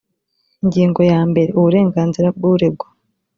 ingingo ya mbere uburenganzira bw uregwa